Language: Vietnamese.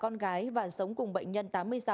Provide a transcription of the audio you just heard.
con gái và sống cùng bệnh nhân tám mươi sáu